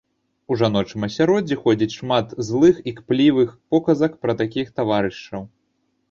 У жаночым асяроддзі ходзіць шмат злых і кплівых показак пра такіх таварышаў.